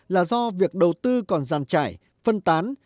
là do việc đầu tư còn giàn trải phân tán